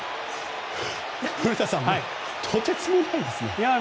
古田さん、とてつもないですね。